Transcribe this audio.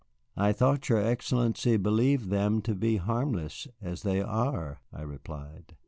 "I thought your Excellency believed them to be harmless, as they are," I replied.